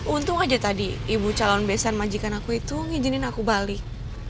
untung aja tadi ibu calon besan majikan aku itu ngijinin aku balik